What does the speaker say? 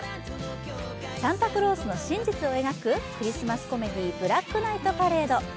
サンタクロースの真実を描く、クリスマスコメディー「ブラックナイトパレード」。